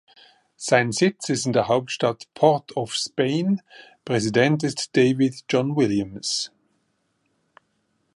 Sein Sitz ist in der Hauptstadt Port of Spain, Präsident ist David John-Williams.